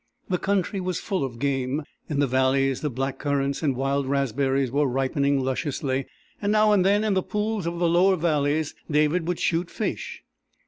The country was full of game. In the valleys the black currants and wild raspberries were ripening lusciously, and now and then in the pools of the lower valleys David would shoot fish.